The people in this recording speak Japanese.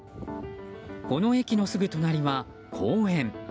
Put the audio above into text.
この駅のすぐ隣は公園。